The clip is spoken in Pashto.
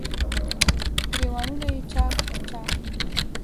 ګریوانونه یې چا ک، چا ک